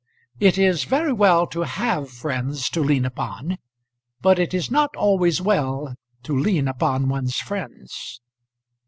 It is very well to have friends to lean upon, but it is not always well to lean upon one's friends.